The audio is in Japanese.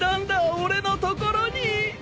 俺のところに！